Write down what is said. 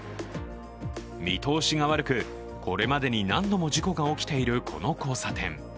見通しが悪く、これまでに何度も事故が起きているこの交差点。